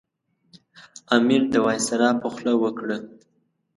امیر د وایسرا په خوله وکړه.